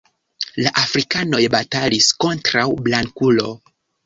La Afrikanoj batalis kontraŭ Blankulo.